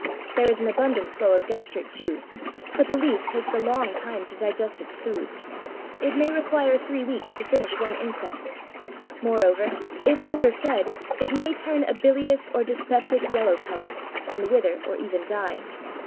There is an abundant flow of "gastric juice," but the leaf takes a long time to digest its food. It may require three weeks to finish one insect. Moreover, if overfed, it may turn a bilious or dyspeptic yellow colour, and wither or even die.